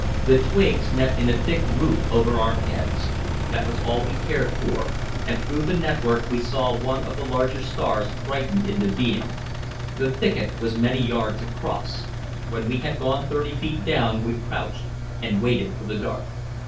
The twigs met in a thick roof over our heads; that was all we cared for, and through the network we saw one of the larger stars brighten into being. The thicket was many yards across. When we had gone thirty feet down we crouched and waited for the dark.